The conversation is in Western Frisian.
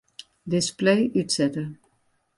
Display útsette.